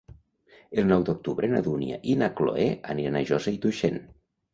El nou d'octubre na Dúnia i na Cloè aniran a Josa i Tuixén.